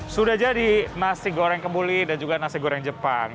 sudah jadi nasi goreng kembuli dan juga nasi goreng jepang